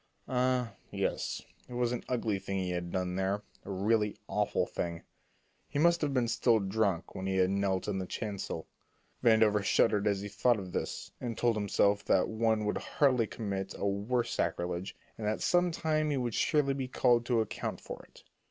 Ah, yes; it was an ugly thing he had done there, a really awful thing. He must have been still drunk when he had knelt in the chancel. Vandover shuddered as he thought of this, and told himself that one could hardly commit a worse sacrilege, and that some time he would surely be called to account for it.